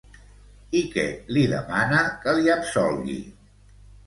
I què li demana que li absolgui?